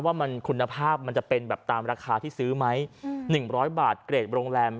ว่ามันคุณภาพมันจะเป็นแบบตามราคาที่ซื้อไหม๑๐๐บาทเกรดโรงแรม